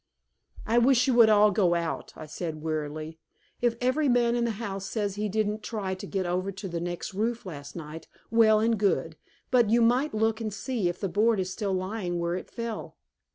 "I wish you would all go out," I said wearily. "If every man in the house says he didn't try to get over to the next roof last night, well and good. But you might look and see if the board is still lying where it fell."